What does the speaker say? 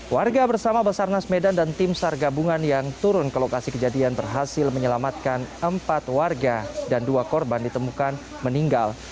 warga bersama basarnas medan dan tim sar gabungan yang turun ke lokasi kejadian berhasil menyelamatkan empat warga dan dua korban ditemukan meninggal